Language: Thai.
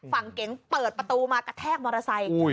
เก๋งเปิดประตูมากระแทกมอเตอร์ไซค์